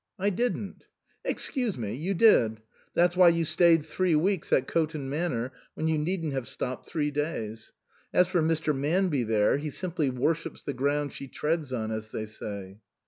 " I didn't." " Excuse me, you did. That's why you stayed three weeks at Coton Manor when you needn't have stopped three days. As for Mr. Manby there, he simply worships the ground she treads on, as they say."